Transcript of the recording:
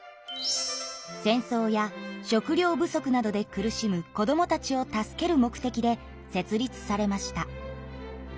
戦争や食料不足などで苦しむ子どもたちを助ける目的で設立されました。